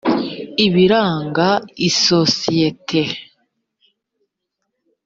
ibiranga isosiyete